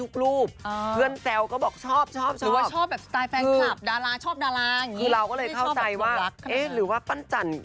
คือเราก็เลยเข้าใจว่าเอ๊หรือว่าปันจัน